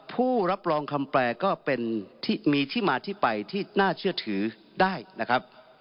ผู้รับรองคำแปลก็เป็นที่มีที่มาที่ไปที่น่าเชื่อถือได้นะครับ